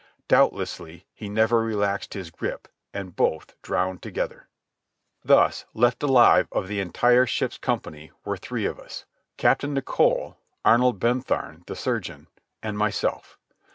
Doubtlessly he never relaxed his grip, and both drowned together. Thus left alive of the entire ship's company were three of us: Captain Nicholl, Arnold Bentham (the surgeon), and myself.